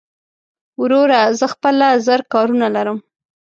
وروره زه خپله زر کارونه لرم